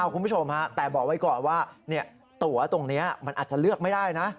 คุณผู้ชมฮะแต่บอกไว้ก่อนว่าตัวตรงนี้มันอาจจะเลือกไม่ได้นะ